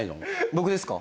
僕ですか。